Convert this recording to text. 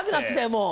もう。